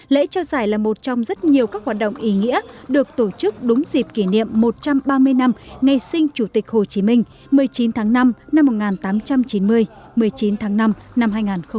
lễ trao giải là một trong rất nhiều các hoạt động ý nghĩa được tổ chức đúng dịp kỷ niệm một trăm ba mươi năm ngày sinh chủ tịch hồ chí minh một mươi chín tháng năm năm một nghìn tám trăm chín mươi một mươi chín tháng năm năm hai nghìn hai mươi